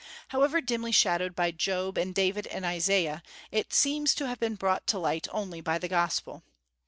However dimly shadowed by Job and David and Isaiah, it seems to have been brought to light only by the gospel.